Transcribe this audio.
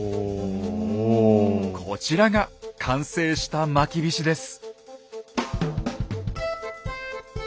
こちらが完成したまきびしです。